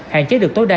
hạn chế được tối đa